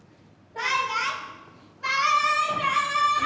バイバイ。